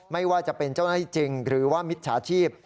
ไม่ว่าจะเป็นเจ้าหน้าที่จริงหรือว่ามิจฉาชีพ